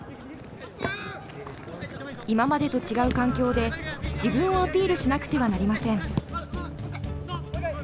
今までと違う環境で自分をアピールしなくてはなりません。